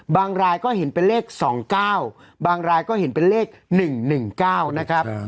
บางรายก็เห็นเป็นเลขสองเก้าบางรายก็เห็นเป็นเลขหนึ่งหนึ่งเก้านะครับ